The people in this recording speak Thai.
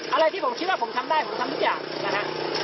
อะไรที่ผมคิดว่าผมทำได้ผมทำทุกอย่างนะฮะ